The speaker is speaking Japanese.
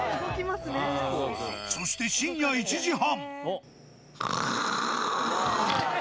そして深夜１時半。